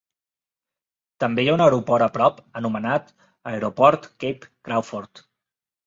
També hi ha un aeroport a prop anomenat Aeroport Cape Crawford.